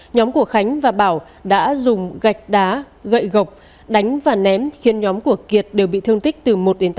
nhóm của khánh và bảo đã dùng gạch đá gậy gộc đánh và ném khiến nhóm của kiệt đều bị thương tích từ một tám